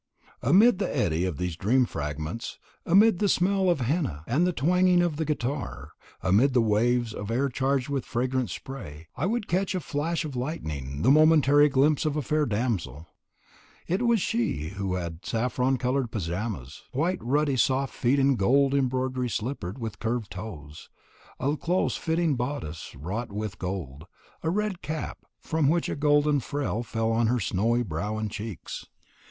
Amid the eddy of these dream fragments, amid the smell of henna and the twanging of the guitar, amid the waves of air charged with fragrant spray, I would catch like a flash of lightning the momentary glimpse of a fair damsel. She it was who had saffron coloured paijamas, white ruddy soft feet in gold embroidered slippers with curved toes, a close fitting bodice wrought with gold, a red cap, from which a golden frill fell on her snowy brow and cheeks.